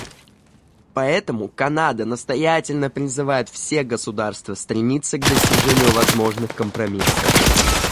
Поэтому Канада настоятельно призывает все государства стремиться к достижению возможных компромиссов.